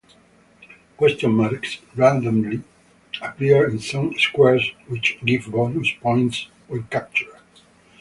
Question marks randomly appear in some squares which give bonus points when captured.